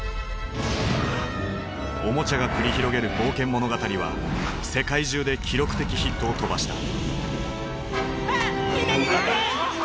おもちゃが繰り広げる冒険物語は世界中で記録的ヒットを飛ばした。